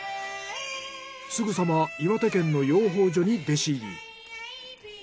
すぐさま岩手県の養蜂所に弟子入り。